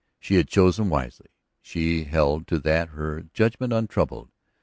She had chosen wisely; she held to that, her judgment untroubled.